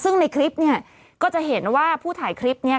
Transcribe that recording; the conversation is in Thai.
ซึ่งในคลิปเนี่ยก็จะเห็นว่าผู้ถ่ายคลิปนี้